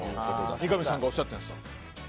三上さんがおっしゃってるんですか。